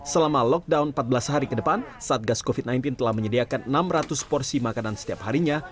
selama lockdown empat belas hari ke depan satgas covid sembilan belas telah menyediakan enam ratus porsi makanan setiap harinya